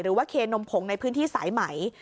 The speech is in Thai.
หรือว่าเคนมผงในพื้นที่สายไหม